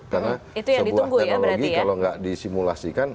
karena sebuah teknologi kalau tidak disimulasikan